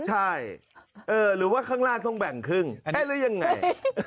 ใช่หรือว่าข้างล่างต้องแบ่งครึ่งเอ๊ะแล้วยังไง